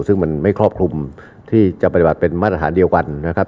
ซึ่งมันไม่ครอบคลุมที่จะปฏิบัติเป็นมาตรฐานเดียวกันนะครับ